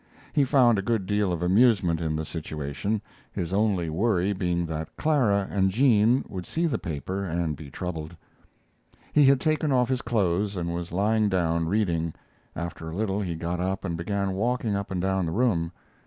He found a good deal of amusement in the situation, his only worry being that Clara and Jean would see the paper and be troubled. He had taken off his clothes and was lying down, reading. After a little he got up and began walking up and down the room.